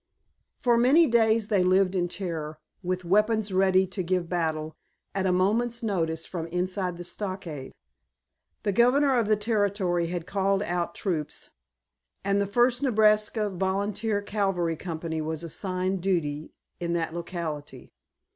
For many days they lived in terror, with weapons ready to give battle at a moment's notice from inside the stockade. The Governor of the Territory had called out troops, and the First Nebraska Volunteer Cavalry company was assigned duty in that locality.